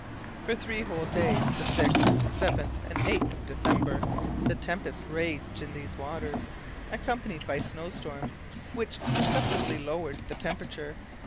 For three whole days, the 6th, 7th, and 8th of December, the tempest raged in these waters, accompanied by snow storms which perceptibly lowered the temperature.